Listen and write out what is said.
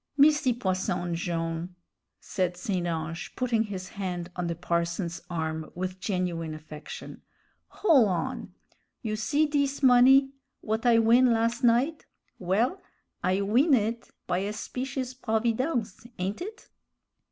"Misty Posson Jone'," said St. Ange, putting his hand on the parson's arm with genuine affection, "hol' on. You see dis money w'at I win las' night? Well, I win' it by a specious providence, ain't it?"